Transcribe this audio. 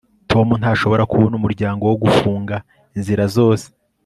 tom ntashobora kubona umuryango wo gufunga inzira zose